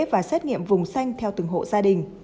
và xét nghiệm vùng xanh theo từng hộ gia đình